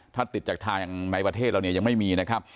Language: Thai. ถ้าติดจากทางไหมประเทศแล้วยังไม่มีนะครับ